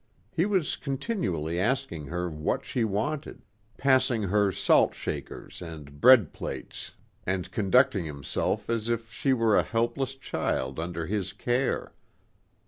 He was continually asking her what she wanted, passing her salt shakers and bread plates and conducting himself as if she were a helpless child under his care.